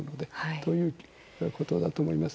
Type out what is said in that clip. ということだと思います。